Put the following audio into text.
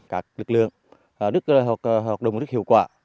các lực lượng hoạt động rất hiệu quả